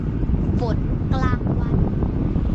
ฝันกลางวัน